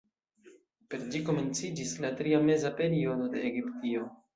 Per ĝi komenciĝis la Tria Meza Periodo de Egiptio.